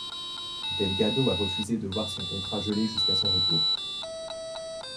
Delgado a refusé de voir son contrat gelé jusqu'à son retour.